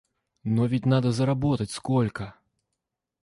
Но ведь надо заработать сколько!